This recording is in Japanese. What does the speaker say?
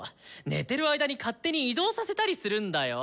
寝てる間に勝手に移動させたりするんだよ。